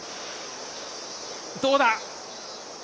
どうだ？